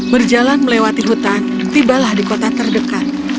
berjalan melewati hutan tibalah di kota terdekat